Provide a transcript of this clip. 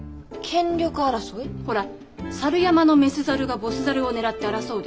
ほら猿山のメス猿がボス猿を狙って争うでしょ？